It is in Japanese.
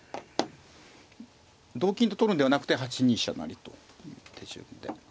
同金と取るんではなくて８二飛車成という手順で。